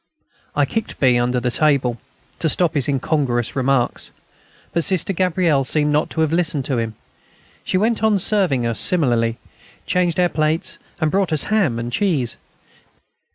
I kicked B. under the table, to stop his incongruous remarks. But Sister Gabrielle seemed not to have listened to him. She went on serving us smilingly; changed our plates, and brought us ham and cheese.